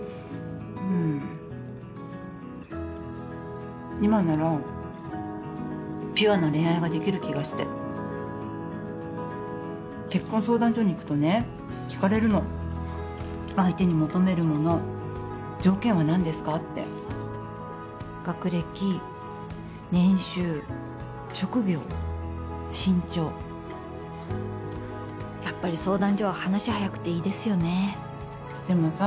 うん今ならピュアな恋愛ができる気がして結婚相談所に行くとね聞かれるの相手に求めるもの条件は何ですかって学歴年収職業身長やっぱり相談所は話早くていいですよねでもさ